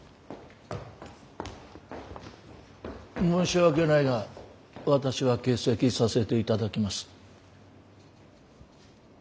申し訳ないが私は欠席させていただきます。